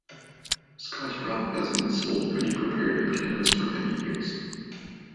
Scotch broth has been sold ready-prepared in cans for many years.